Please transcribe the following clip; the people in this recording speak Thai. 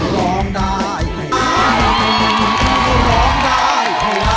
ร้องได้ให้ล้าน